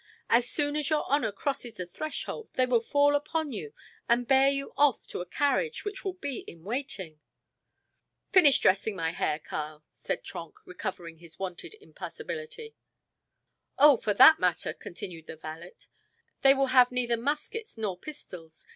As soon as your honor crosses the threshold they will fall upon you and bear you off to a carriage which will be in waiting." "Finish dressing my hair, Karl," said Trenck, recovering his wonted impassibility. "Oh, for that matter," continued the valet, "they will have neither muskets nor pistols.